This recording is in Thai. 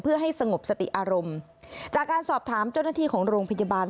เพื่อให้สงบสติอารมณ์จากการสอบถามเจ้าหน้าที่ของโรงพยาบาล